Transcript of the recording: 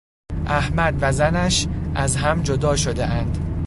احمد و زنش از هم جدا شدهاند.